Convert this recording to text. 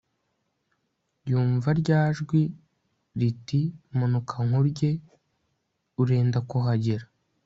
yumva ryajwi riti manuka nkurye urenda kuhagera